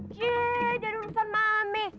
jee dari urusan mami